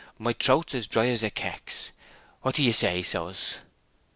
My throat's as dry as a kex. What d'ye say so's?"